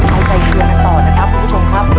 เอาใจเชียร์กันต่อนะครับคุณผู้ชมครับ